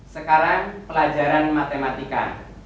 sekarang pelajaran matematika